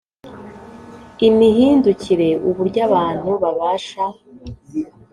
imihindukire uburyo abantu bashaka